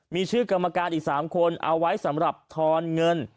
มีชื่อกรรมการอีก๓คนเอาไว้สำหรับทอนเงิน